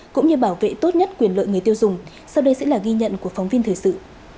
cũng như bảo vệ tốt nhất quyền lợi người tiêu dùng sau đây sẽ là ghi nhận của phóng viên thời sự